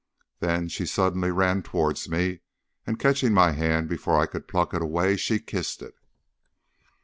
Then she suddenly ran towards me, and catching my hand before I could pluck it away, she kissed it.